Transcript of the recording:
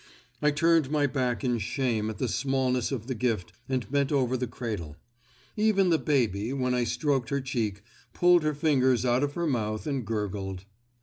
I turned my back in shame at the smallness of the gift and bent over the cradle. Even the baby, when I stroked her cheek, pulled her fingers out of her mouth and gurgled.